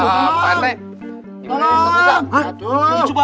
coba diangkat coba